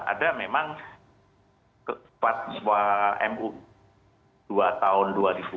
ada memang kecepatan semua mu dua tahun dua ribu dua puluh dua